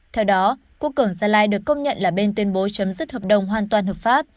theo đó quốc cường gia lai được công nhận là bên tuyên bố chấm dứt hợp đồng hoàn toàn hợp pháp